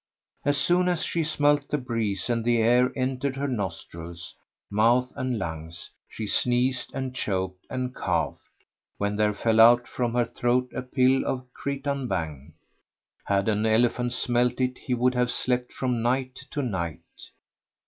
As soon as she smelt the breeze and the air entered her nostrils, mouth and lungs, she sneezed and choked and coughed; when there fell from out her throat a pill of Cretan Bhang, had an elephant smelt it he would have slept from night to night.